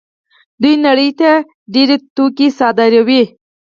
دوی نړۍ ته ډېر توکي صادروي.